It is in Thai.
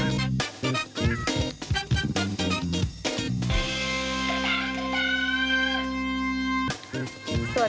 ยาวอ่ะ